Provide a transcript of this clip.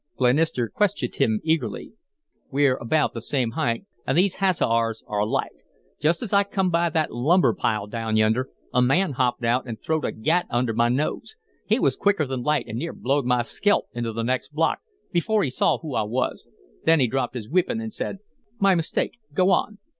Glenister questioned him eagerly. "We're about the same height an' these hats of ours are alike. Just as I come by that lumber pile down yonder, a man hopped out an throwed a 'gat' under my nose. He was quicker than light, and near blowed my skelp into the next block before he saw who I was; then he dropped his weepon and said: "'My mistake. Go on.'